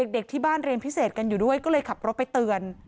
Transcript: เด็กที่บ้านเรียนพิเศษกันอยู่ด้วยก็เลยขับรถไปเตือน